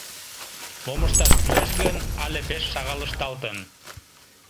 — Мом ышташ кӱлеш гын, але пеш шагал ышталтын.